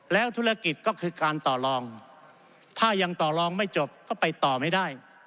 แล้วธุรกิจก็คือการต่อรองถ้ายังต่อรองไม่จบก็ไปต่อไม่ได้